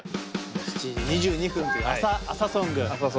「７時２２分」という朝ソング。